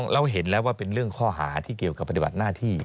เราเห็นแล้วว่าเป็นเรื่องข้อหาที่เกี่ยวกับปฏิบัติหน้าที่